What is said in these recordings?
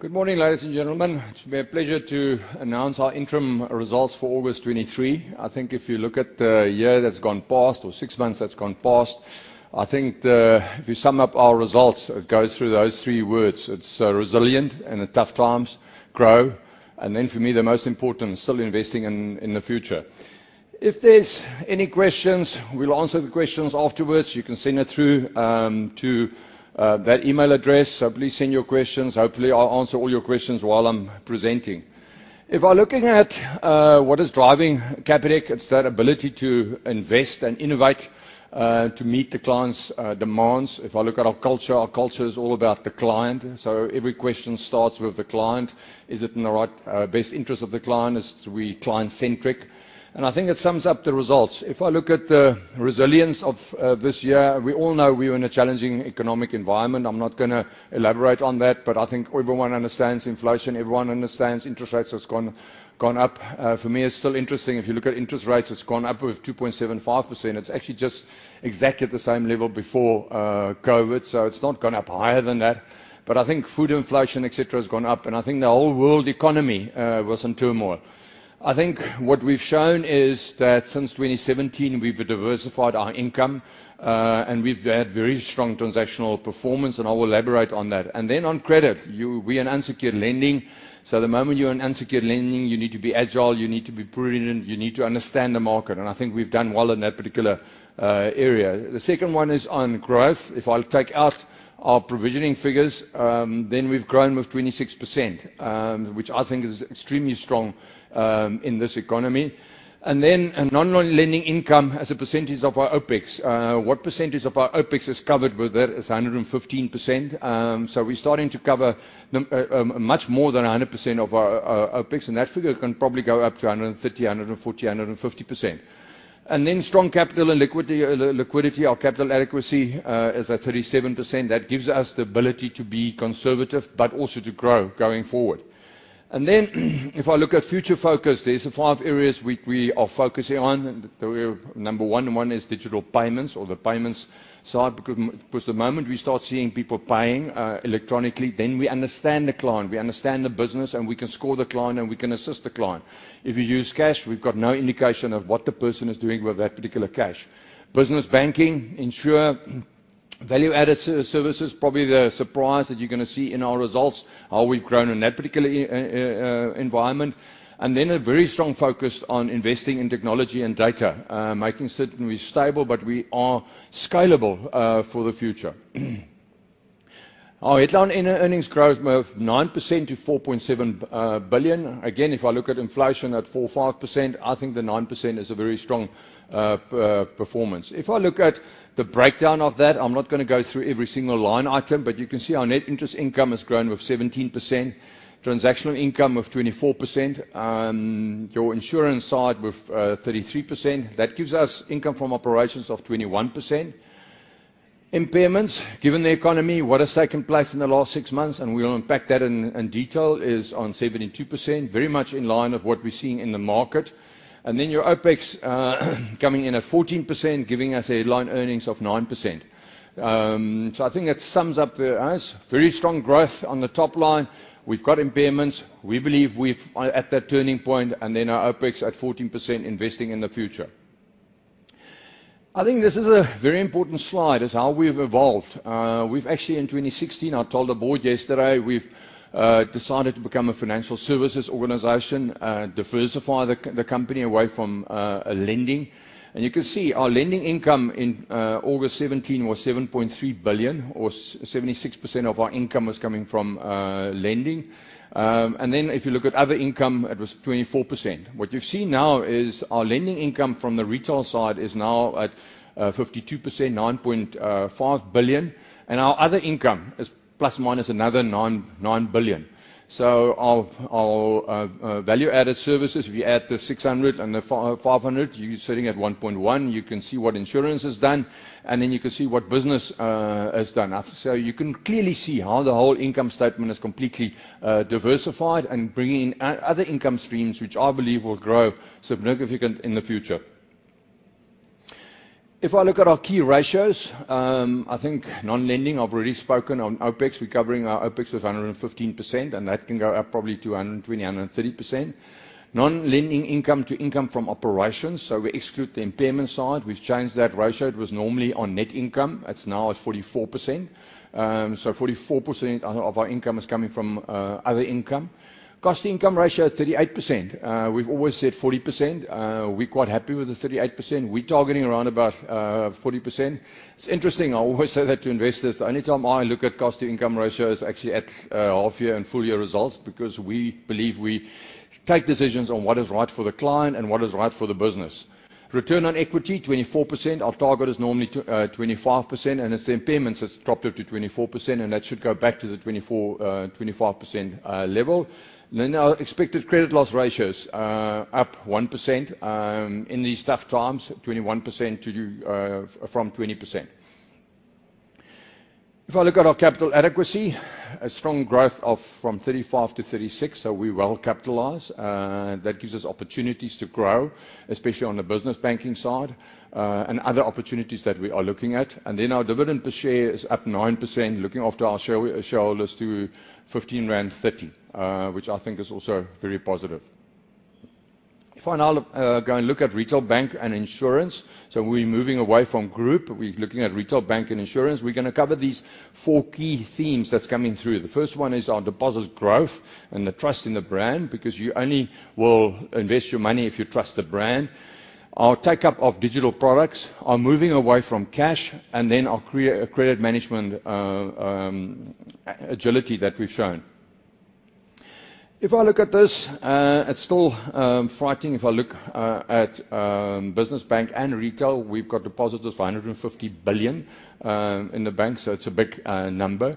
Good morning, ladies and gentlemen. It's my pleasure to announce our interim results for August 2023. I think if you look at the year that's gone past, or six months that's gone past, I think the, if you sum up our results, it goes through those three words. It's resilient in the tough times, grow, and then for me, the most important, still investing in the future. If there's any questions, we'll answer the questions afterwards. You can send it through to that email address. So please send your questions. Hopefully, I'll answer all your questions while I'm presenting. If I'm looking at what is driving Capitec, it's that ability to invest and innovate to meet the clients' demands. If I look at our culture, our culture is all about the client. So every question starts with the client. Is it in the right, best interest of the client? Is we client-centric? And I think it sums up the results. If I look at the resilience of this year, we all know we are in a challenging economic environment. I'm not gonna elaborate on that, but I think everyone understands inflation, everyone understands interest rates has gone up. For me, it's still interesting. If you look at interest rates, it's gone up with 2.75%. It's actually just exactly at the same level before COVID, so it's not gone up higher than that. But I think food inflation, et cetera, has gone up, and I think the whole world economy was in turmoil. I think what we've shown is that since 2017, we've diversified our income, and we've had very strong transactional performance, and I will elaborate on that. And then on credit, we are in unsecured lending. So the moment you're in unsecured lending, you need to be agile, you need to be prudent, you need to understand the market, and I think we've done well in that particular area. The second one is on growth. If I'll take out our provisioning figures, then we've grown with 26%, which I think is extremely strong, in this economy. And then, and non-lending income as a percentage of our OpEx. What percentage of our OpEx is covered with that? It's 115%. So we're starting to cover much more than 100% of our OpEx, and that figure can probably go up to 130%-150%. Then strong capital and liquidity, liquidity. Our capital adequacy is at 37%. That gives us the ability to be conservative, but also to grow going forward. Then, if I look at future focus, there's five areas we are focusing on. And the number one is digital payments or the payments side, because the moment we start seeing people paying electronically, then we understand the client, we understand the business, and we can score the client, and we can assist the client. If you use cash, we've got no indication of what the person is doing with that particular cash. business banking, insurance, Value-Added Services, probably the surprise that you're gonna see in our results, how we've grown in that particular environment. Then a very strong focus on investing in technology and data. Making certain we're stable, but we are scalable for the future. Our headline earnings growth of 9% to 4.7 billion. Again, if I look at inflation at 4%-5%, I think the 9% is a very strong performance. If I look at the breakdown of that, I'm not gonna go through every single line item, but you can see our net interest income has grown with 17%, transactional income of 24%, your insurance side with 33%. That gives us income from operations of 21%. Impairments, given the economy, what has taken place in the last six months, and we'll unpack that in detail, is on 72%, very much in line with what we're seeing in the market. And then your OpEx coming in at 14%, giving us a headline earnings of 9%. So I think that sums up thus. Very strong growth on the top line. We've got impairments. We believe we are at that turning point, and then our OpEx at 14%, investing in the future. I think this is a very important slide, is how we've evolved. We've actually, in 2016, I told the board yesterday, we've decided to become a financial services organization, diversify the company away from lending. You can see our lending income in August 2017 was 7.3 billion, or 76% of our income was coming from lending. And then if you look at other income, it was 24%. What you've seen now is our lending income from the retail side is now at 52%, 9.5 billion, and our other income is plus, minus another 9.9 billion. So our Value-Added Services, if you add the 600 and the five hundred, you're sitting at 1.1. You can see what insurance has done, and then you can see what business has done. So you can clearly see how the whole income statement is completely diversified and bringing in other income streams, which I believe will grow significant in the future. If I look at our key ratios, I think non-lending, I've already spoken on OpEx. We're covering our OpEx with 115%, and that can go up probably to 120%-130%. Non-lending income to income from operations, so we exclude the impairment side. We've changed that ratio. It was normally on net income. It's now at 44%. So 44% of our income is coming from other income. Cost-income ratio, 38%. We've always said 40%. We're quite happy with the 38%. We're targeting around about 40%. It's interesting, I always say that to investors, the only time I look at cost-to-income ratio is actually at half year and full year results, because we believe we take decisions on what is right for the client and what is right for the business. Return on equity, 24%. Our target is normally 25%, and its impairments has dropped up to 24%, and that should go back to the 24, 25% level. Then our expected credit loss ratio is up 1%. In these tough times, 21% to from 20%. If I look at our capital adequacy, a strong growth from 35 to 36, so we're well capitalized. That gives us opportunities to grow, especially on the business banking side, and other opportunities that we are looking at. And then our dividend per share is up 9%, looking after our shareholders to 15.30 rand, which I think is also very positive. If I now go and look at Retail Bank and Insurance. So we're moving away from group. We're looking at Retail Bank and Insurance. We're gonna cover these four key themes that's coming through. The first one is our deposits growth and the trust in the brand, because you only will invest your money if you trust the brand. Our take-up of digital products are moving away from cash, and then our credit management, agility that we've shown. If I look at this, it's still frightening. If I look at business bank and Retail, we've got deposits of 150 billion in the bank, so it's a big number.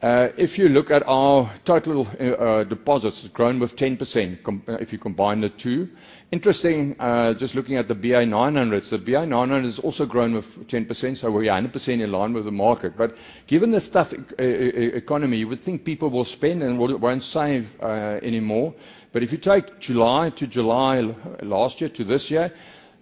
If you look at our total deposits, it's grown with 10%, if you combine the two. Interesting, just looking at the BA 900. So BA 900 has also grown with 10%, so we're 100% in line with the market. But given the tough economy, you would think people will spend and won't save anymore. But if you take July to July, last year to this year,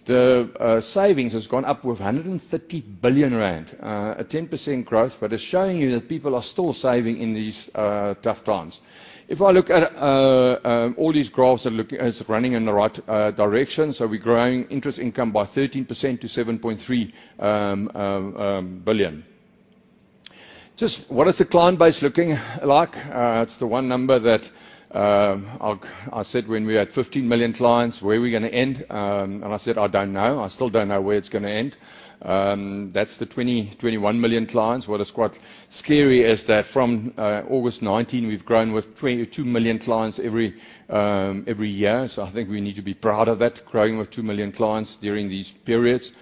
the savings has gone up with 130 billion rand, a 10% growth, but it's showing you that people are still saving in these tough times. If I look at all these graphs are running in the right direction, so we're growing interest income by 13% to 7.3 billion. Just what is the client base looking like? It's the one number that I said when we had 15 million clients, where are we gonna end? And I said, "I don't know." I still don't know where it's gonna end. That's the 21 million clients. What is quite scary is that from August 2019, we've grown with 22 million clients every year. So I think we need to be proud of that, growing with 2 million clients during these periods.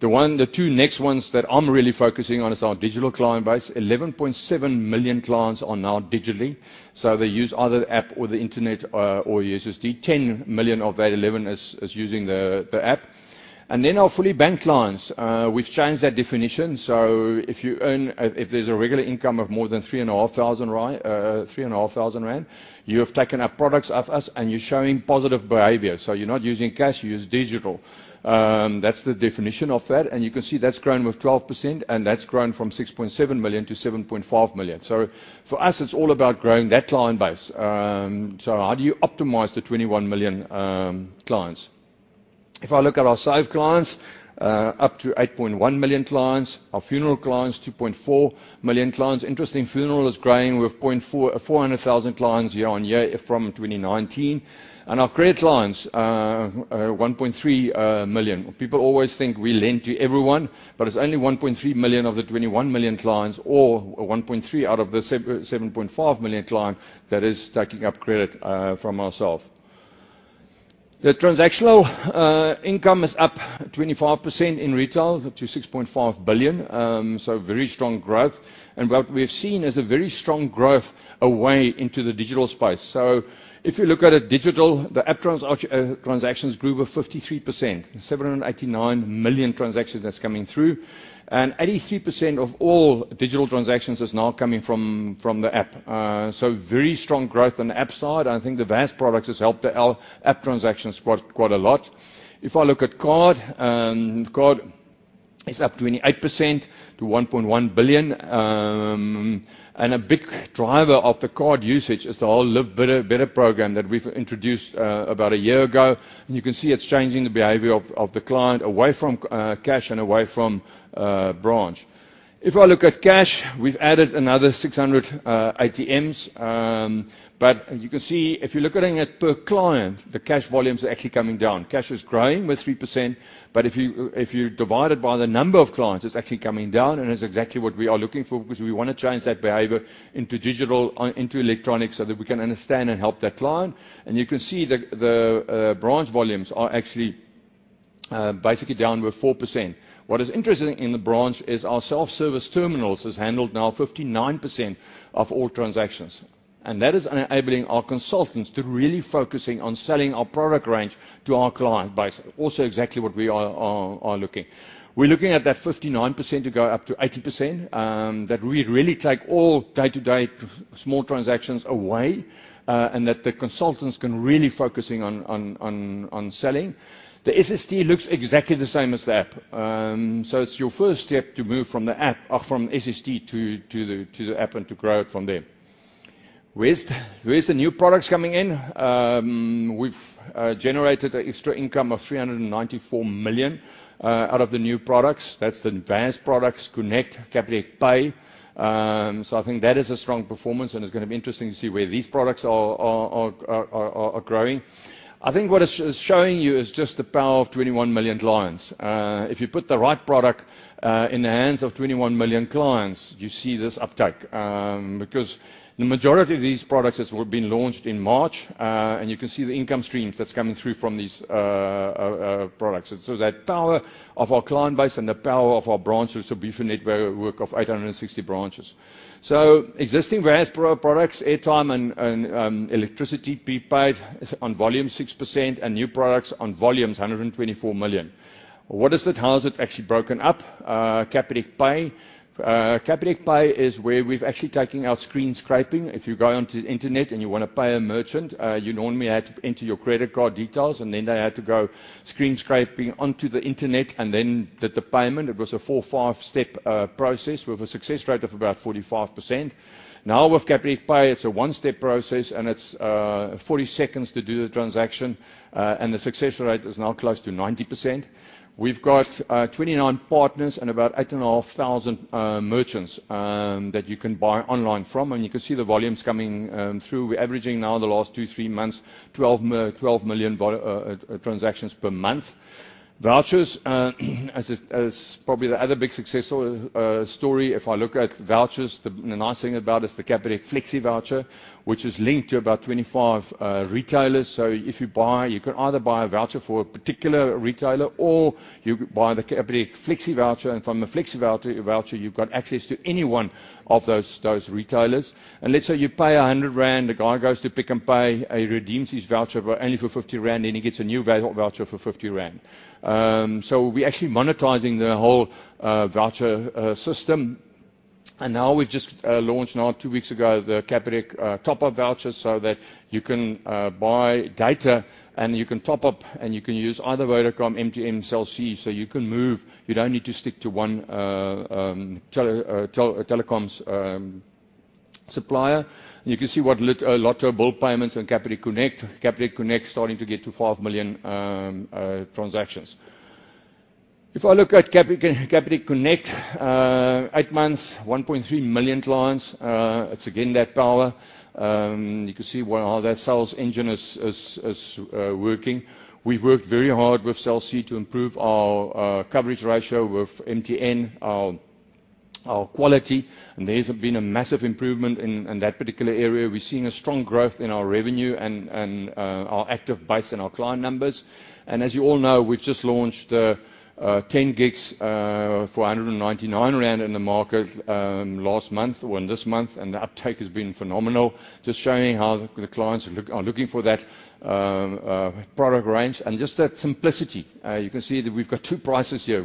The two next ones that I'm really focusing on is our digital client base. 11.7 million clients are now digitally, so they use either app or the internet or USSD. 10 million of that 11 is using the app. And then our fully bank clients, we've changed that definition. So if there's a regular income of more than 3,500 rand, you have taken up products off us, and you're showing positive behavior. So you're not using cash, you use digital. That's the definition of that, and you can see that's grown with 12%, and that's grown from 6.7 million to 7.5 million. So for us, it's all about growing that client base. So how do you optimize the 21 million clients? If I look at our Save clients, up to 8.1 million clients, our funeral clients, 2.4 million clients. Interesting, funeral is growing with 400,000 clients year on year from 2019. And our credit clients, 1.3 million. People always think we lend to everyone, but it's only 1.3 million of the 21 million clients, or 1.3 out of the 7.75 million client that is taking up credit from ourself. The transactional income is up 25% in retail to 6.5 billion, so very strong growth. And what we've seen is a very strong growth away into the digital space. So if you look at a digital, the app transactions grew by 53%, 789 million transactions that's coming through, and 83% of all digital transactions is now coming from the app. So very strong growth on the app side. I think the VAS products has helped the app transactions quite, quite a lot. If I look at card, card is up 28% to 1.1 billion. And a big driver of the card usage is the whole Live Better, Better program that we've introduced about a year ago. And you can see it's changing the behavior of, of the client away from cash and away from branch. If I look at cash, we've added another 600 ATMs. But you can see, if you're looking at per client, the cash volumes are actually coming down. Cash is growing with 3%, but if you, if you divide it by the number of clients, it's actually coming down, and it's exactly what we are looking for because we want to change that behavior into digital and into electronic so that we can understand and help that client. And you can see branch volumes are actually basically down with 4%. What is interesting in the branch is our self-service terminals has handled now 59% of all transactions, and that is enabling our consultants to really focusing on selling our product range to our client base. Also, exactly what we are looking. We're looking at that 59% to go up to 80%, that we really take all day-to-day small transactions away, and that the consultants can really focusing on selling. The SST looks exactly the same as the app. So it's your first step to move from the app or from SST to the app and to grow it from there. Where's the new products coming in? We've generated an extra income of 394 million out of the new products. That's the advanced products, Connect, Capitec Pay. So I think that is a strong performance, and it's gonna be interesting to see where these products are growing. I think what it's showing you is just the power of 21 million clients. If you put the right product in the hands of 21 million clients, you see this uptake, because the majority of these products has been launched in March, and you can see the income stream that's coming through from these products. So that power of our client base and the power of our branch distribution network of 860 branches. So existing various pro- products, airtime and, and, electricity, prepaid on volume, 6%, and new products on volumes, 124 million. What is it? How is it actually broken up? Capitec Pay. Capitec Pay is where we've actually taking our screen scraping. If you go onto the internet, and you want to pay a merchant, you normally had to enter your credit card details, and then they had to go screen scraping onto the internet and then did the payment. It was a 4-5-step process with a success rate of about 45%. Now, with Capitec Pay, it's a one-step process, and it's 40 seconds to do the transaction, and the success rate is now close to 90%. We've got 29 partners and about 8,500 merchants that you can buy online from, and you can see the volumes coming through. We're averaging now, the last 2-3 months, 12 million transactions per month. Vouchers as probably the other big successful story, if I look at vouchers, the nice thing about it is the Capitec Flexi Voucher, which is linked to about 25 retailers. So if you buy, you can either buy a voucher for a particular retailer, or you buy the Capitec Flexi Voucher, and from the Flexi Voucher, you've got access to any one of those retailers. Let's say you pay 100 rand, the guy goes to Pick n Pay, he redeems his voucher, but only for 50 rand, then he gets a new voucher for 50 rand. So we're actually monetizing the whole voucher system. And now we've just launched now, two weeks ago, the Capitec top-up vouchers, so that you can buy data, and you can top up, and you can use either Vodacom, MTN, or Cell C, so you can move. You don't need to stick to one telecoms supplier. You can see what Lotto bill payments on Capitec Connect. Capitec Connect is starting to get to 5 million transactions. If I look at Capitec Connect, eight months, 1.3 million clients. It's again, that power. You can see where all that sales engine is working. We've worked very hard with Cell C to improve our coverage ratio, with MTN, our quality, and there's been a massive improvement in that particular area. We're seeing a strong growth in our revenue and our active base and our client numbers. As you all know, we've just launched 10 gigs for 199 rand in the market last month, or this month, and the uptake has been phenomenal. Just showing how the clients are looking for that product range and just that simplicity. You can see that we've got 2 prices here.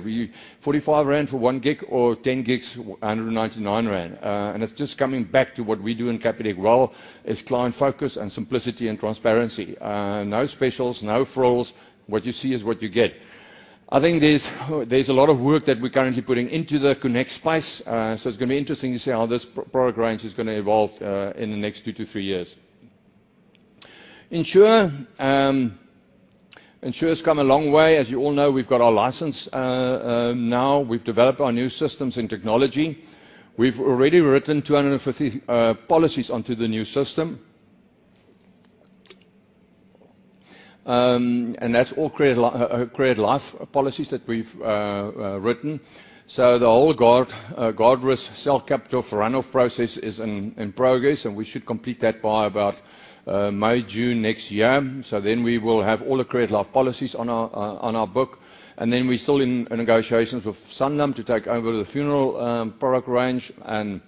Forty-five rand for 1 gig or 10 gigs, 199 rand. And it's just coming back to what we do in Capitec well, is client focus and simplicity and transparency. No specials, no frills. What you see is what you get. I think there's, there's a lot of work that we're currently putting into the Capitec Connect space. So it's gonna be interesting to see how this product range is gonna evolve in the next two to three years. Insure, Insure has come a long way. As you all know, we've got our license. Now we've developed our new systems and technology. We've already written 250 policies onto the new system. And that's all Credit Life policies that we've written. So the whole Guardrisk cell captive for run-off process is in progress, and we should complete that by about May, June next year. So then we will have all the Credit Life policies on our book. And then we're still in negotiations with Sanlam to take over the funeral product range, and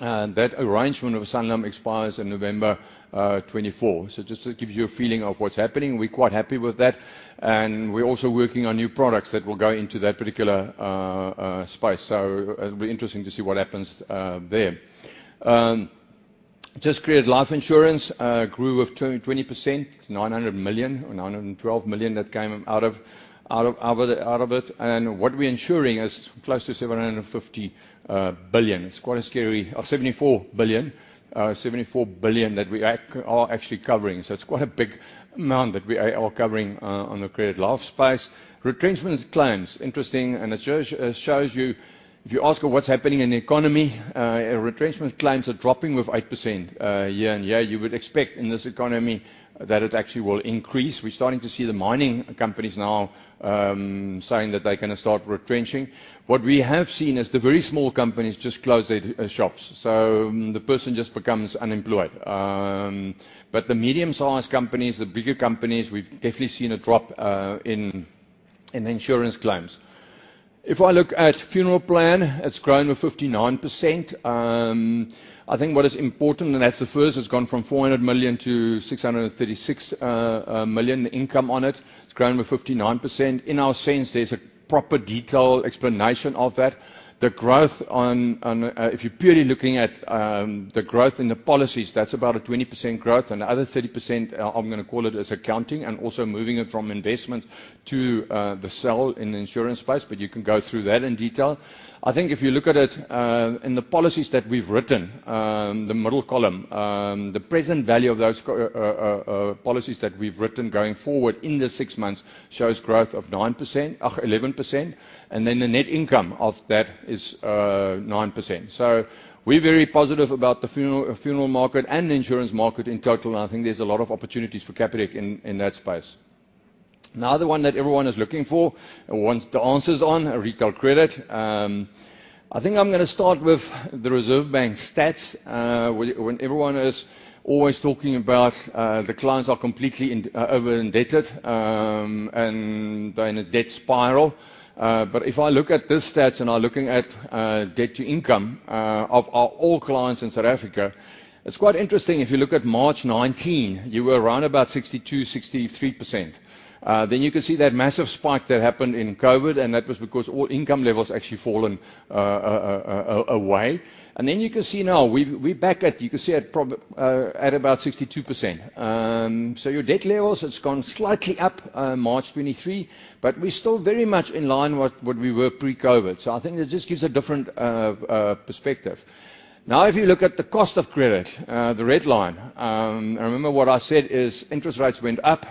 that arrangement with Sanlam expires in November 2024. So just to give you a feeling of what's happening, we're quite happy with that, and we're also working on new products that will go into that particular space. So it'll be interesting to see what happens there. Just Credit Life insurance grew 20%, 900 million, or 912 million that came out of it. What we're ensuring is close to 750 billion. It's quite a scary 74 billion. 74 billion that we are actually covering. So it's quite a big amount that we are covering on the Credit Life space. Retrenchment claims, interesting, and it shows you if you ask what's happening in the economy, retrenchment claims are dropping with 8% year-on-year. You would expect in this economy that it actually will increase. We're starting to see the mining companies now saying that they're gonna start retrenching. What we have seen is the very small companies just close their shops, so the person just becomes unemployed. But the medium-sized companies, the bigger companies, we've definitely seen a drop in insurance claims. If I look at funeral plan, it's grown with 59%. I think what is important, and that's the first, it's gone from 400 million to 636 million income on it. It's grown with 59%. In our sense, there's a proper detailed explanation of that. The growth on If you're purely looking at the growth in the policies, that's about a 20% growth. And the other 30%, I'm gonna call it, is accounting and also moving it from investment to the sale in the insurance space, but you can go through that in detail. I think if you look at it, in the policies that we've written, the middle column, the present value of those policies that we've written going forward in the six months, shows growth of 9%, 11%, and then the net income of that is, 9%. So we're very positive about the funeral, funeral market and the insurance market in total, and I think there's a lot of opportunities for Capitec in that space. Another one that everyone is looking for and wants the answers on, retail credit. I think I'm gonna start with the Reserve Bank stats. When everyone is always talking about, the clients are completely in, over-indebted, and they're in a debt spiral. But if I look at these stats and are looking at debt to income of all clients in South Africa, it's quite interesting. If you look at March 2019, you were around about 62%-63%. Then you can see that massive spike that happened in COVID, and that was because all income levels actually fallen away. Then you can see now we're back at, you can see at probably at about 62%. So your debt levels, it's gone slightly up March 2023, but we're still very much in line with what we were pre-COVID. I think it just gives a different perspective. Now, if you look at the cost of credit, the red line, remember what I said is interest rates went up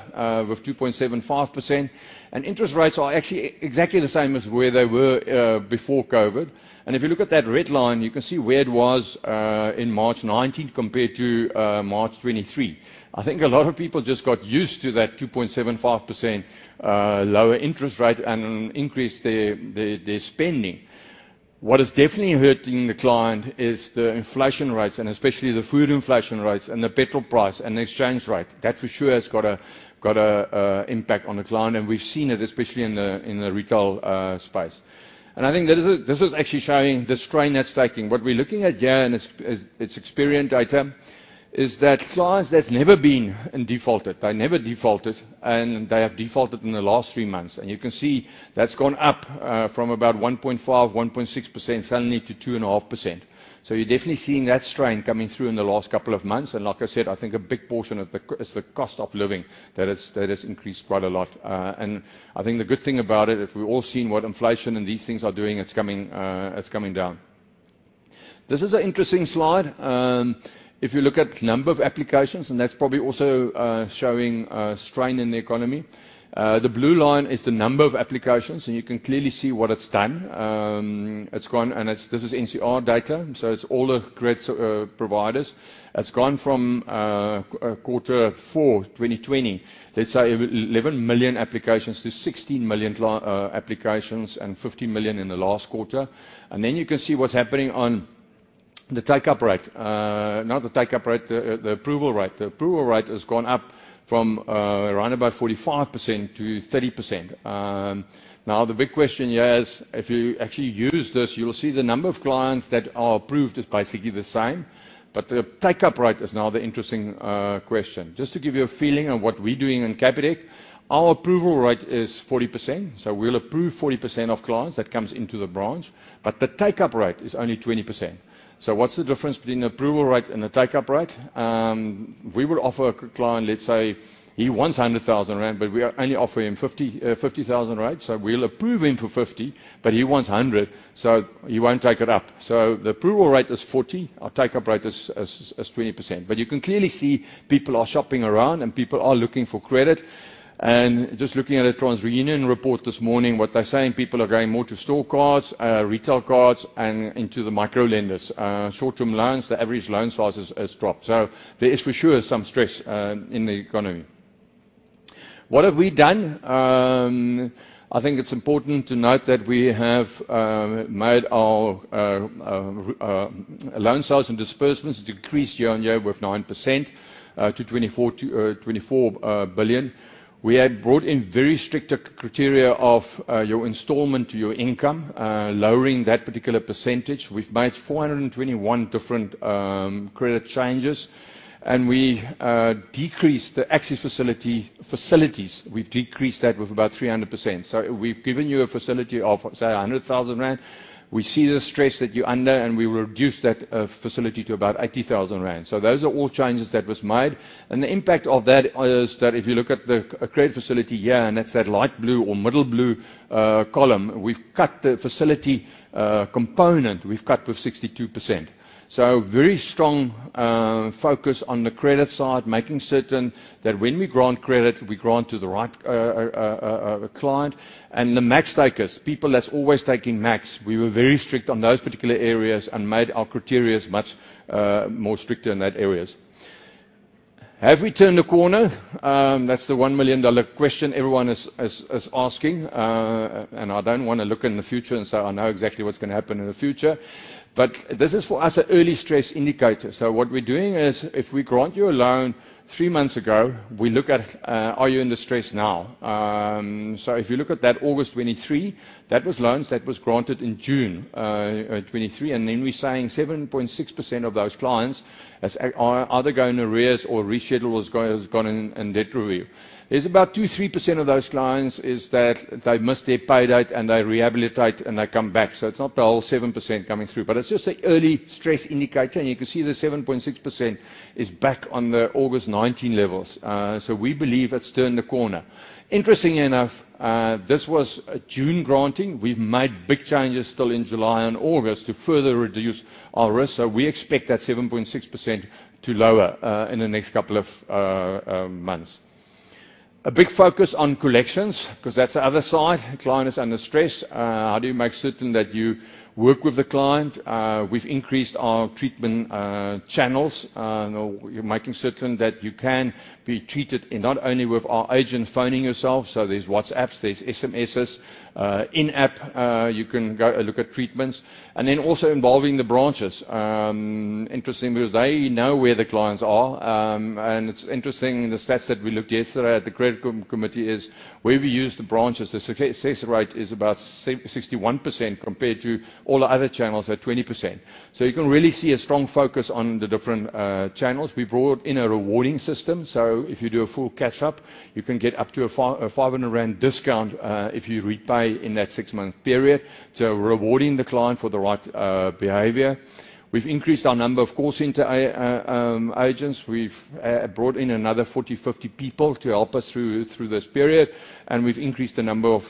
with 2.75%, and interest rates are actually exactly the same as where they were before COVID. If you look at that red line, you can see where it was in March 2019 compared to March 2023. I think a lot of people just got used to that 2.75% lower interest rate and increased their spending. What is definitely hurting the client is the inflation rates, and especially the food inflation rates, and the petrol price, and the exchange rate. That for sure has got an impact on the client, and we've seen it especially in the retail space. I think this is actually showing the strain that's taking. What we're looking at here, and it's Experian data, is that clients that's never been in defaulted, they never defaulted, and they have defaulted in the last three months. You can see that's gone up from about 1.5-1.6%, suddenly to 2.5%. So you're definitely seeing that strain coming through in the last couple of months, and like I said, I think a big portion of the c-- it's the cost of living that has increased quite a lot. And I think the good thing about it, if we've all seen what inflation and these things are doing, it's coming down. This is an interesting slide. If you look at number of applications, and that's probably also showing strain in the economy. The blue line is the number of applications, and you can clearly see what it's done. It's gone, and it's... This is NCR data, so it's all the credit providers. It's gone from quarter four, 2020, let's say 11 million applications to 16 million applications, and 15 million in the last quarter. And then you can see what's happening on the take-up rate. Not the take-up rate, the approval rate. The approval rate has gone up from around about 45% to 30%. Now, the big question here is, if you actually use this, you will see the number of clients that are approved is basically the same, but the take-up rate is now the interesting question. Just to give you a feeling of what we're doing in Capitec, our approval rate is 40%, so we'll approve 40% of clients that comes into the branch, but the take-up rate is only 20%. So what's the difference between approval rate and the take-up rate? We would offer a client, let's say, he wants 100,000 rand, but we are only offering him 50,000 ZAR, so we'll approve him for 50,000 ZAR, but he wants 100,000 ZAR, so he won't take it up. So the approval rate is 40, our take-up rate is 20%. But you can clearly see people are shopping around, and people are looking for credit. And just looking at a TransUnion report this morning, what they're saying, people are going more to store cards, retail cards, and into the micro lenders. Short-term loans, the average loan size has dropped, so there is for sure some stress in the economy. What have we done? I think it's important to note that we have made our loan sales and disbursements decrease year-on-year with 9% to 24 billion. We had brought in very strict criteria of your installment to your income, lowering that particular percentage. We've made 421 different credit changes, and we decreased the access facilities; we've decreased that with about 300%. So we've given you a facility of, say, 100,000 rand. We see the stress that you're under, and we reduce that facility to about 80,000 rand. So those are all changes that was made, and the impact of that is that if you look at the credit facility here, and that's that light blue or middle blue column, we've cut the facility component, we've cut with 62%. So very strong focus on the credit side, making certain that when we grant credit, we grant to the right client. And the max takers, people that's always taking max, we were very strict on those particular areas and made our criteria much more stricter in that areas. Have we turned the corner? That's the 1 million dollar question everyone is asking. And I don't want to look in the future and say I know exactly what's going to happen in the future, but this is, for us, an early stress indicator. So what we're doing is, if we grant you a loan three months ago, we look at, are you in the stress now? So if you look at that August 2023, that was loans that was granted in June 2023, and then we're saying 7.6% of those clients is, are, either going in arrears or rescheduled, or has gone in, in debt review. There's about 2-3% of those clients, is that they miss their pay date, and they rehabilitate, and they come back. So it's not the whole 7% coming through, but it's just an early stress indicator, and you can see the 7.6% is back on the August 2019 levels. So we believe it's turned the corner. Interestingly enough, this was a June granting. We've made big changes still in July and August to further reduce our risk, so we expect that 7.6% to lower in the next couple of months. A big focus on collections, 'cause that's the other side. A client is under stress. How do you make certain that you work with the client? We've increased our treatment channels. You know, making certain that you can be treated in, not only with our agent phoning yourself, so there's WhatsApps, there's SMSs, in-app, you can go look at treatments. And then also involving the branches. Interesting, because they know where the clients are, and it's interesting, the stats that we looked yesterday at the credit committee, is where we use the branches, the success rate is about 61%, compared to all the other channels at 20%. So you can really see a strong focus on the different channels. We brought in a rewarding system, so if you do a full catch-up, you can get up to a 500 rand discount, if you repay in that six-month period. So rewarding the client for the right behavior. We've increased our number of call center agents. We've brought in another 40-50 people to help us through this period, and we've increased the number of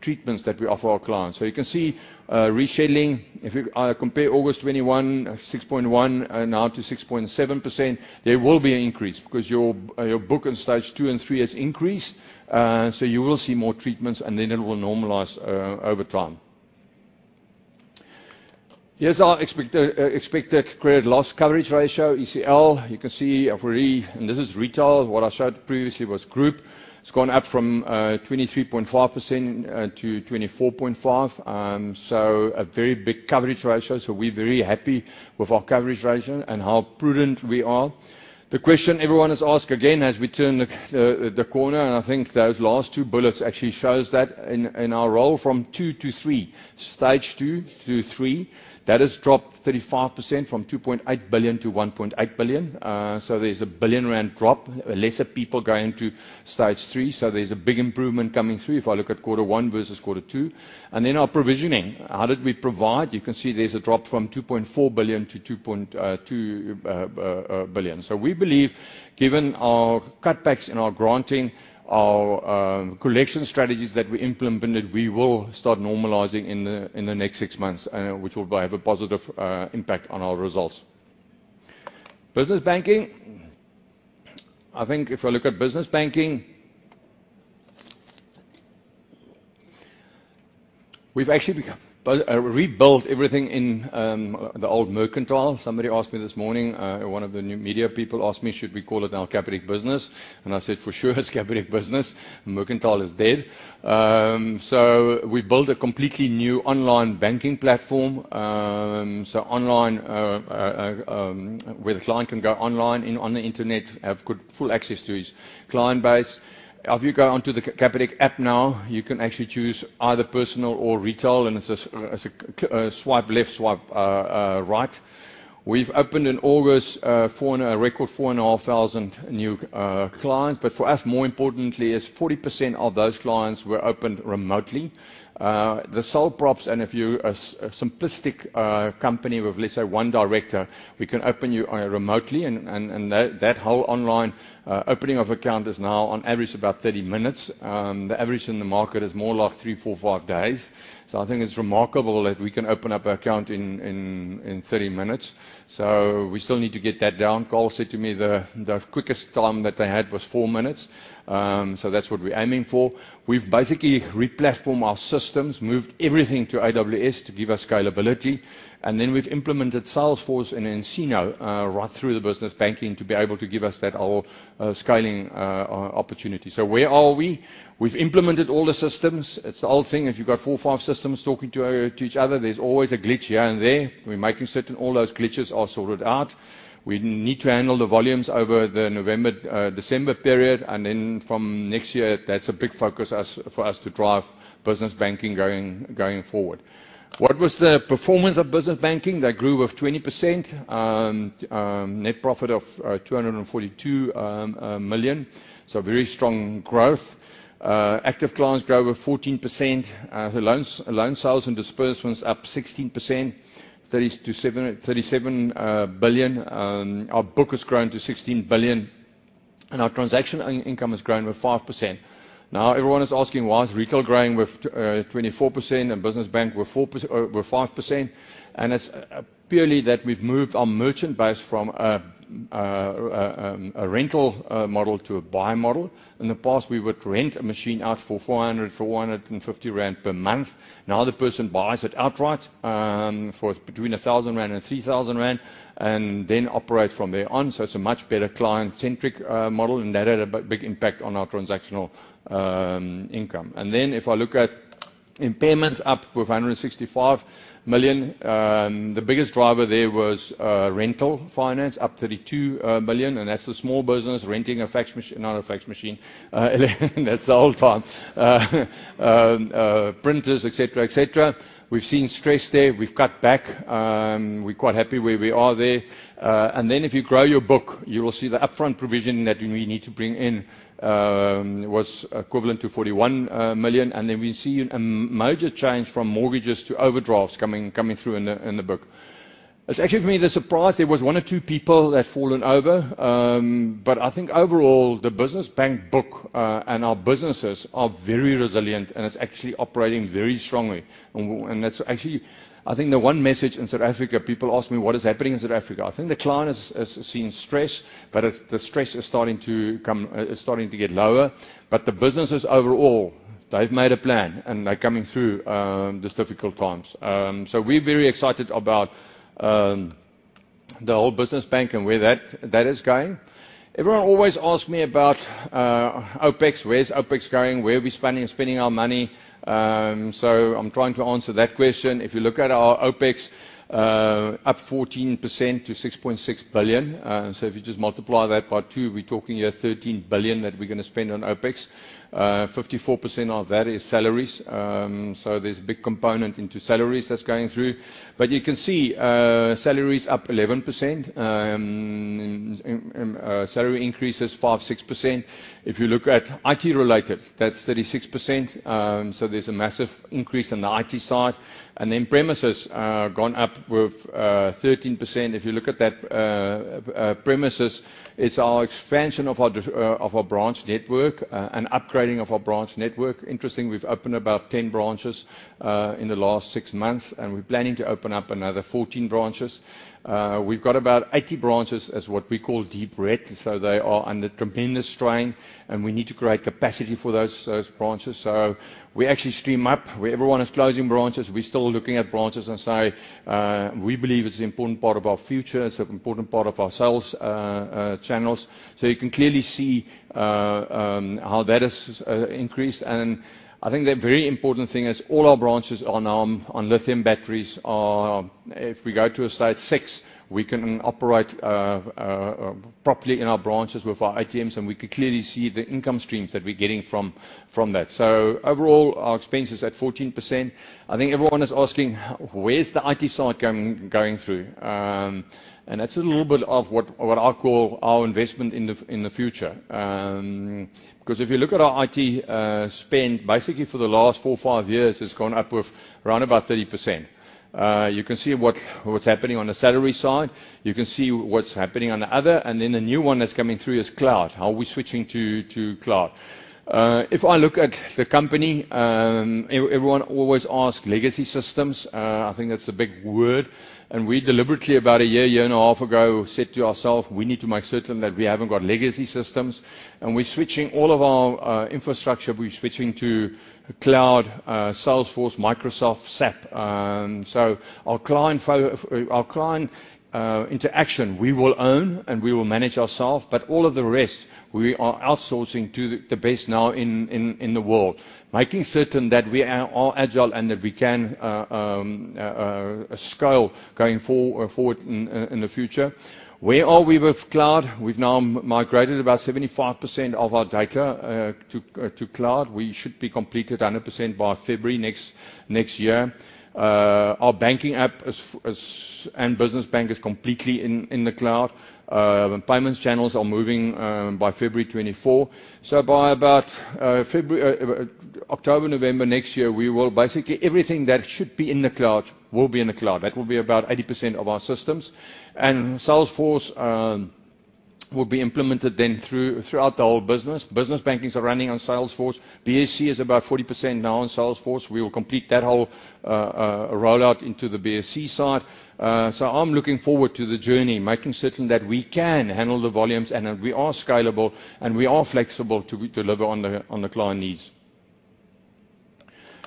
treatments that we offer our clients. So you can see, rescheduling, if you compare August 2021, 6.1% now to 6.7%, there will be an increase, because your, your book in Stage 2 and 3 has increased. So you will see more treatments, and then it will normalize over time. Here's our expected credit loss coverage ratio, ECL. You can see of we. And this is retail. What I showed previously was group. It's gone up from 23.5% to 24.5%. So a very big coverage ratio, so we're very happy with our coverage ratio and how prudent we are. The question everyone has asked again, as we turn the corner, and I think those last two bullets actually shows that in our roll from two to three, Stage 2 to Stage 3, that has dropped 35% from 2.8 billion to 1.8 billion. So there's a 1 billion rand drop, lesser people going to Stage 3, so there's a big improvement coming through if I look at quarter one versus quarter two. And then our provisioning, how did we provide? You can see there's a drop from 2.4 billion to 2.2 billion. So we believe, given our cutbacks in our granting, our collection strategies that we implemented, we will start normalizing in the next six months, which will have a positive impact on our results. business banking. I think if I look at business banking, we've actually rebuilt everything in the old Mercantile. Somebody asked me this morning, one of the new media people asked me, "Should we call it now Capitec Business?" And I said, "For sure, it's Capitec Business. Mercantile is dead." So we built a completely new online banking platform. So online, where the client can go online and on the internet, have good, full access to his client base. If you go onto the Capitec app now, you can actually choose either personal or retail, and it's a, it's a, swipe left, swipe right. We've opened in August a record 4,500 new clients, but for us, more importantly, is 40% of those clients were opened remotely. The sole props, and if you are a simplistic company with, let's say, 1 director, we can open you remotely and that whole online opening of account is now on average about 30 minutes. The average in the market is more like three, four, five days. So I think it's remarkable that we can open up an account in 30 minutes. So we still need to get that down. Carl said to me the quickest time that they had was 4 minutes, so that's what we're aiming for. We've basically replatform our systems, moved everything to AWS to give us scalability, and then we've implemented Salesforce and nCino right through the business banking to be able to give us that whole scaling opportunity. So where are we? We've implemented all the systems. It's the old thing. If you've got four or five systems talking to to each other, there's always a glitch here and there. We're making certain all those glitches are sorted out. We need to handle the volumes over the November December period, and then from next year, that's a big focus as for us to drive business banking going forward. What was the performance of business banking? That grew of 20%, net profit of 242 million, so very strong growth. Active clients grow over 14%. The loans, loan sales and disbursements up 16%, 37 billion. Our book has grown to 16 billion, and our transaction income has grown by 5%. Now, everyone is asking, "Why is retail growing with 24% and business bank with 4%, with 5%?" And it's purely that we've moved our merchant base from a rental model to a buy model. In the past, we would rent a machine out for 450 rand per month. Now, the person buys it outright, for between 1,000 rand and 3,000 rand and then operate from there on. So it's a much better client-centric model, and that had a big impact on our transactional income. And then, if I look at impairments up with 165 million, the biggest driver there was rental finance, up 32 million, and that's the small business, renting a fax mach- not a fax machine. That's the old time. Printers, et cetera, et cetera. We've seen stress there. We've cut back. We're quite happy where we are there. And then if you grow your book, you will see the upfront provision that we need to bring in was equivalent to 41 million, and then we see a major change from mortgages to overdrafts coming through in the book. It's actually, for me, the surprise, there was one or two people that fallen over, but I think overall, the business bank book and our businesses are very resilient, and it's actually operating very strongly. And that's actually... I think the one message in South Africa, people ask me, "What is happening in South Africa?" I think the client is seeing stress, but it's the stress is starting to get lower. But the businesses overall, they've made a plan, and they're coming through these difficult times. So we're very excited about the whole business bank and where that is going. Everyone always asks me about OpEx: Where is OpEx going? Where are we spending our money? So I'm trying to answer that question. If you look at our OpEx, up 14% to 6.6 billion. So if you just multiply that by two, we're talking here 13 billion that we're gonna spend on OpEx. 54% of that is salaries. So there's a big component into salaries that's going through. But you can see, salaries up 11%, salary increases 5-6%. If you look at IT-related, that's 36%, so there's a massive increase on the IT side. And then premises, gone up with, 13%. If you look at that, premises, it's our expansion of our of our branch network, and upgrading of our branch network. Interesting, we've opened about 10 branches, in the last six months, and we're planning to open up another 14 branches... we've got about 80 branches as what we call deep red, so they are under tremendous strain, and we need to create capacity for those, those branches. So we actually stream up. Where everyone is closing branches, we're still looking at branches and say we believe it's an important part of our future. It's an important part of our sales channels. So you can clearly see how that has increased, and I think the very important thing is all our branches are now on lithium batteries. If we go to stage six, we can operate properly in our branches with our ATMs, and we can clearly see the income streams that we're getting from that. So overall, our expense is at 14%. I think everyone is asking: Where's the IT side going through? And that's a little bit of what I call our investment in the future. Because if you look at our IT spend, basically for the last four, five years, it's gone up with around about 30%. You can see what's happening on the salary side, you can see what's happening on the other, and then the new one that's coming through is cloud. How are we switching to cloud? If I look at the company, everyone always ask legacy systems. I think that's a big word, and we deliberately, about a year, year and a half ago, said to ourselves, "We need to make certain that we haven't got legacy systems." And we're switching all of our infrastructure. We're switching to cloud, Salesforce, Microsoft, SAP. So our client interaction, we will own, and we will manage ourselves, but all of the rest, we are outsourcing to the best now in the world, making certain that we are agile and that we can scale going forward in the future. Where are we with cloud? We've now migrated about 75% of our data to cloud. We should be completed 100% by February next year. Our banking app and business bank is completely in the cloud. Payments channels are moving by February 2024. So by about February, October, November next year, we will basically everything that should be in the cloud will be in the cloud. That will be about 80% of our systems. Salesforce will be implemented then throughout the whole business. business banking are running on Salesforce. BSC is about 40% now on Salesforce. We will complete that whole rollout into the BSC side. So I'm looking forward to the journey, making certain that we can handle the volumes and that we are scalable, and we are flexible to deliver on the client needs.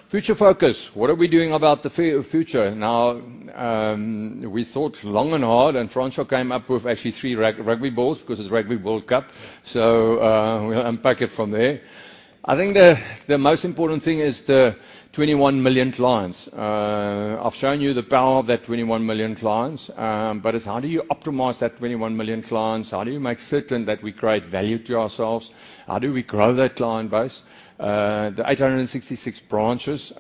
Future focus. What are we doing about the future? Now, we thought long and hard, and Francois came up with actually three rugby balls because it's Rugby World Cup. We'll unpack it from there. I think the most important thing is the 21 million clients. I've shown you the power of that 21 million clients, but it's how do you optimize that 21 million clients? How do you make certain that we create value to ourselves? How do we grow that client base? The 866 branches,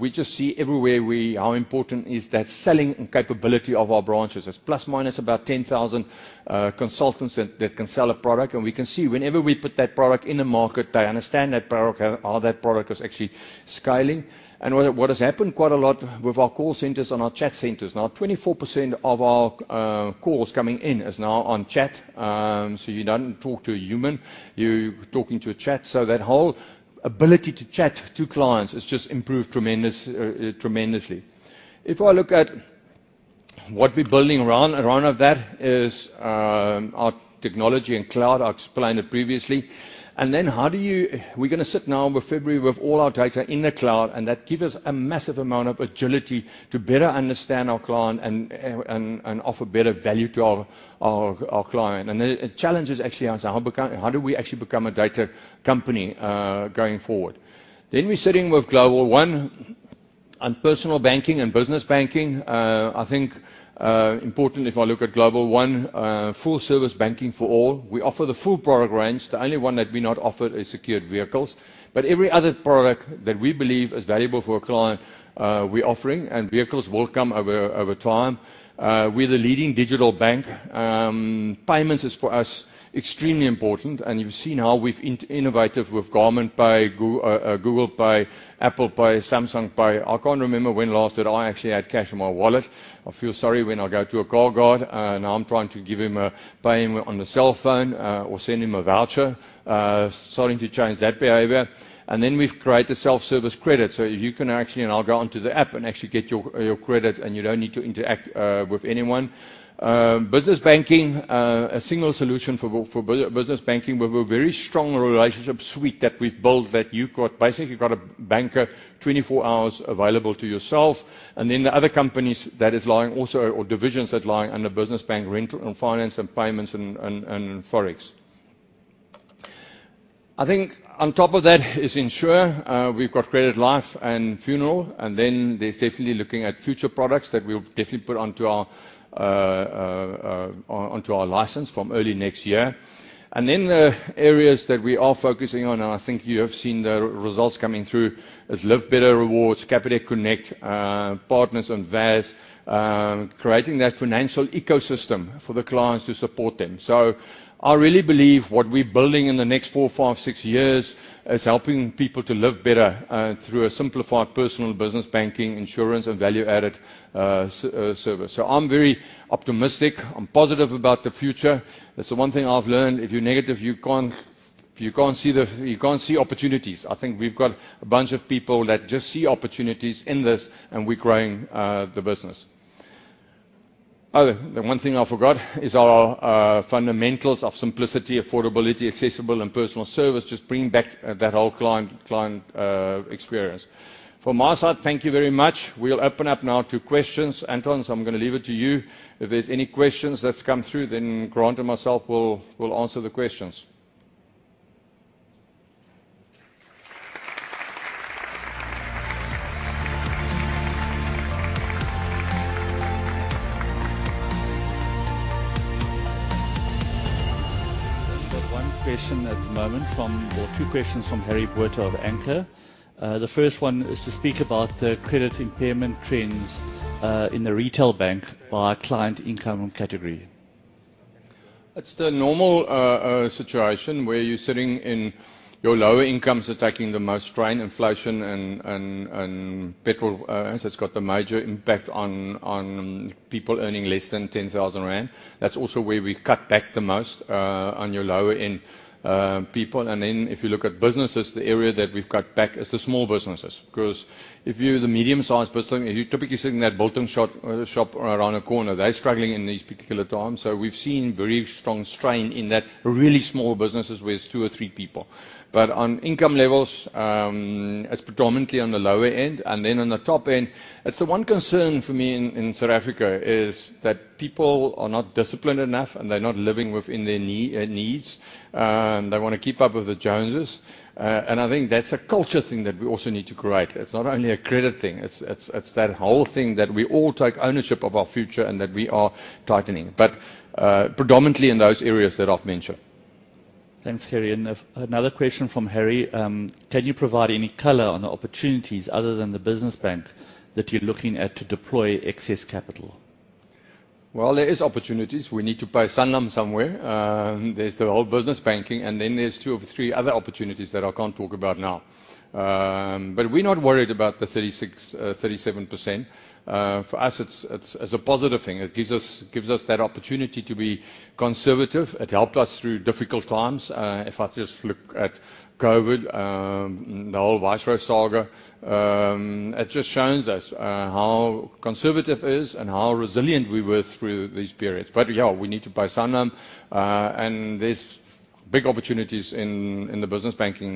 we just see everywhere we how important is that selling and capability of our branches. It's plus, minus about 10,000 consultants that can sell a product, and we can see whenever we put that product in the market, they understand that product, how that product is actually scaling. And what has happened quite a lot with our call centers and our chat centers, now 24% of our calls coming in is now on chat. So you don't talk to a human, you're talking to a chat. So that whole ability to chat to clients has just improved tremendously. If I look at what we're building around that is our technology and cloud. I explained it previously. And then we're gonna sit now with February, with all our data in the cloud, and that give us a massive amount of agility to better understand our client and offer better value to our client. And the challenge is actually how do we actually become a data company going forward? Then we're sitting with Global One on personal banking and business banking. I think important if I look at Global One full service banking for all. We offer the full product range. The only one that we not offered is secured vehicles, but every other product that we believe is valuable for a client, we're offering, and vehicles will come over time. We're the leading digital bank. Payments is, for us, extremely important, and you've seen how we've innovated with Garmin Pay, Google Pay, Apple Pay, Samsung Pay. I can't remember when last that I actually had cash in my wallet. I feel sorry when I go to a car guard, and I'm trying to give him a, pay him on the cell phone, or send him a voucher. Starting to change that behavior. And then we've created self-service credit, so you can actually. And I'll go onto the app and actually get your, your credit, and you don't need to interact with anyone. business banking, a single solution for business banking with a very strong relationship suite that we've built, that you've got basically got a banker, 24 hours available to yourself. Then the other companies that is lying also, or divisions that lying under business bank, rental and finance and payments and forex. I think on top of that is insurance. We've got credit life and funeral, and then there's definitely looking at future products that we'll definitely put onto our license from early next year. Then the areas that we are focusing on, and I think you have seen the results coming through, is Live Better Rewards, Capitec Connect, Partners on VAS, creating that financial ecosystem for the clients to support them. So I really believe what we're building in the next four, five, six years is helping people to live better through a simplified Personal, Business Banking, insurance, and value-added service. So I'm very optimistic. I'm positive about the future. That's the one thing I've learned. If you're negative, you can't see the opportunities. I think we've got a bunch of people that just see opportunities in this, and we're growing the business. Oh, the one thing I forgot is our fundamentals of simplicity, affordability, accessible, and personal service, just bring back that whole client experience. From my side, thank you very much. We'll open up now to questions. Anton, so I'm gonna leave it to you. If there's any questions that's come through, then Grant and myself will answer the questions. We've got one question at the moment from, or two questions from Harry Botha of Anchor. The first one is to speak about the credit impairment trends in the Retail Bank by client income and category. It's the normal situation where you're sitting in your lower incomes are taking the most strain, inflation and petrol has got the major impact on people earning less than 10,000 rand. That's also where we cut back the most on your lower-end people. And then, if you look at businesses, the area that we've cut back is the small businesses. Because if you're the medium-sized person, you're typically sitting in that bottle shop around the corner. They're struggling in these particular times. So we've seen very strong strain in that really small businesses with two or three people. But on income levels, it's predominantly on the lower end, and then on the top end. It's the one concern for me in South Africa, is that people are not disciplined enough, and they're not living within their needs. They want to keep up with the Joneses. And I think that's a culture thing that we also need to correct. It's not only a credit thing, it's that whole thing that we all take ownership of our future and that we are tightening, but predominantly in those areas that I've mentioned. Thanks, Harry. Another question from Harry. Can you provide any color on the opportunities other than the business bank that you're looking at to deploy excess capital? Well, there is opportunities. We need to pay Sanlam somewhere. There's the whole business banking, and then there's two or three other opportunities that I can't talk about now. But we're not worried about the 36%-37%. For us, it's, it's, it's a positive thing. It gives us, gives us that opportunity to be conservative. It helped us through difficult times. If I just look at COVID, the whole Viceroy Research saga, it just shows us, how conservative is and how resilient we were through these periods. But, yeah, we need to pay Sanlam, and there's big opportunities in, in the business banking,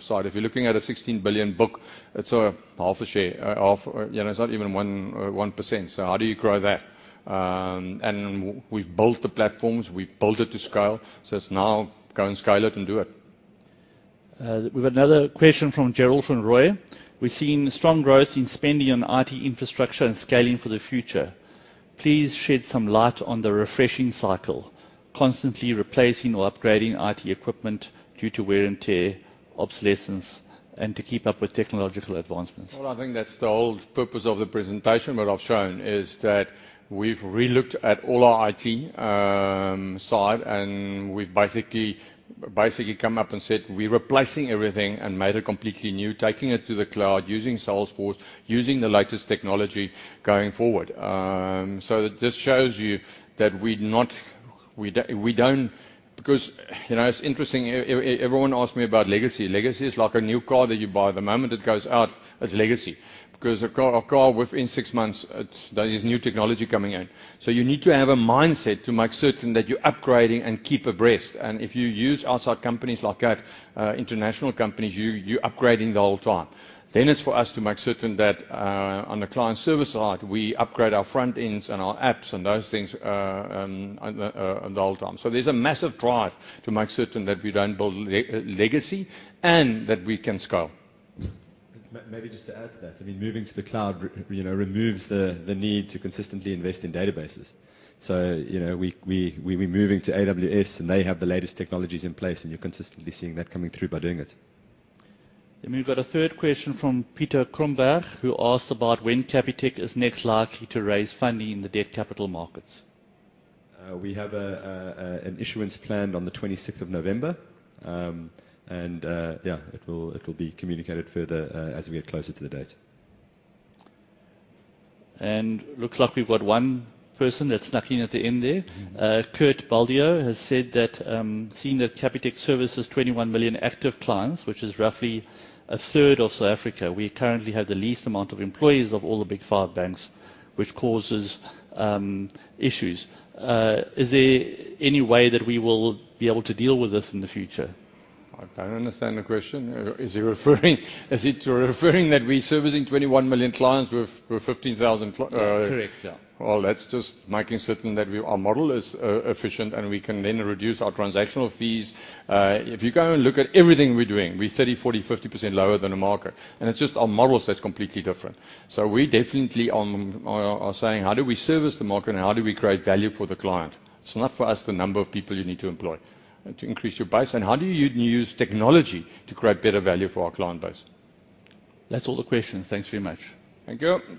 side. If you're looking at a 16 billion book, it's a half a share, half, you know, it's not even one, one percent, so how do you grow that? We've built the platforms, we've built it to scale, so it's now go and scale it and do it. We've got another question from Gerald van Rooy. We're seeing strong growth in spending on IT infrastructure and scaling for the future. Please shed some light on the refreshing cycle, constantly replacing or upgrading IT equipment due to wear and tear, obsolescence, and to keep up with technological advancements? Well, I think that's the whole purpose of the presentation that I've shown, is that we've relooked at all our IT side, and we've basically come up and said, we're replacing everything and made it completely new, taking it to the cloud, using Salesforce, using the latest technology going forward. So this shows you that we don't. Because, you know, it's interesting, everyone asks me about legacy. Legacy is like a new car that you buy. The moment it goes out, it's legacy. Because a car, within six months, there is new technology coming in. So you need to have a mindset to make certain that you're upgrading and keep abreast. And if you use outside companies like that, international companies, you're upgrading the whole time. Then it's for us to make certain that, on the client service side, we upgrade our front ends and our apps and those things, the whole time. So there's a massive drive to make certain that we don't build legacy and that we can scale. Maybe just to add to that, I mean, moving to the cloud, you know, removes the need to consistently invest in databases. So, you know, we're moving to AWS, and they have the latest technologies in place, and you're consistently seeing that coming through by doing it. Then we've got a third question from Peter Cromberge, who asks about when Capitec is next likely to raise funding in the debt capital markets. We have an issuance planned on the twenty-sixth of November. And yeah, it will, it will be communicated further as we get closer to the date. Looks like we've got one person that snuck in at the end there. Kurt Baldio has said that, seeing that Capitec services 21 million active clients, which is roughly a third of South Africa, we currently have the least amount of employees of all the Big Five banks, which causes issues. Is there any way that we will be able to deal with this in the future? I don't understand the question. Is he referring, is he referring that we're servicing 21 million clients with, with 15,000. Correct, yeah. Well, that's just making certain that we, our model is efficient, and we can then reduce our transactional fees. If you go and look at everything we're doing, we're 30, 40, 50% lower than the market. And it's just our model that's completely different. So we definitely are saying, "How do we service the market, and how do we create value for the client?" It's not, for us, the number of people you need to employ to increase your base, and how do you use technology to create better value for our client base? That's all the questions. Thanks very much. Thank you.